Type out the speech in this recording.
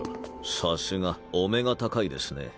さすがお目が高いですね。